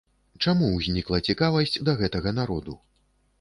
Чаму ўзнікла цікавасць да гэтага народу?